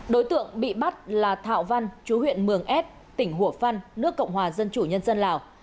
đối tượng bị bắt là thảo văn chú huyện mường ed tỉnh hủa phăn nước cộng hòa dân chủ nhân dân lào